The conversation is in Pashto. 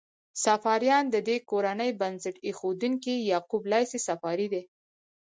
صفاریان: د دې کورنۍ بنسټ ایښودونکی یعقوب لیث صفاري دی.